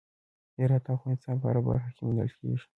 هرات د افغانستان په هره برخه کې موندل کېږي.